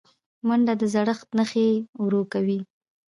منډه د زړښت نښې ورو کوي